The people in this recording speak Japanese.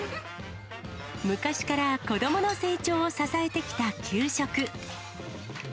昔から子どもの成長を支えてきた給食。